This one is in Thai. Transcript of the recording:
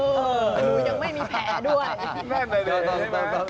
ดูยังไม่มีแผลด้วย